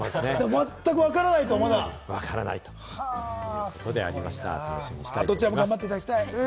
全くわからないと、まだ。どちらも頑張っていただきたい。